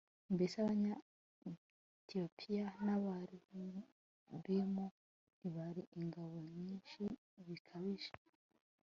Mbese Abanyetiyopiya nAbalubimu ntibari ingabo nyinshi bikabije